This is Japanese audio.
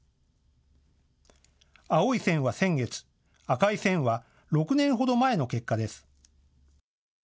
青い線は先月、赤い線は６年ほど前の結果です。